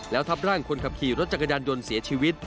แล้วทับร่างคนขับขี่รถจักรยานยนต์เสียชีวิต